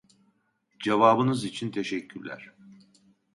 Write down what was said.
Cevabınız için teşekkürler